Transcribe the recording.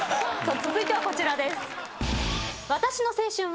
続いてはこちらです。